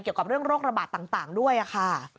เกี่ยวกับเรื่องโรคระบาดต่างด้วยค่ะ